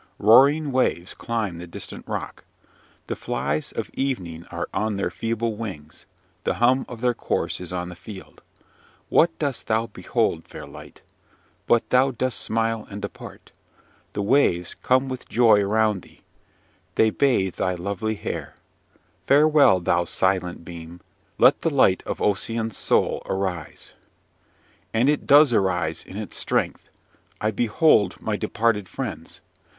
Roaring waves climb the distant rock. The flies of evening are on their feeble wings: the hum of their course is on the field. What dost thou behold, fair light? But thou dost smile and depart. The waves come with joy around thee: they bathe thy lovely hair. Farewell, thou silent beam! Let the light of Ossian's soul arise! "And it does arise in its strength! I behold my departed friends.